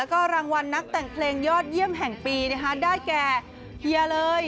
ก็รางวัลนักแต่งเพลงยอดเยี่ยมแห่งปีได้แก่เฮียเลย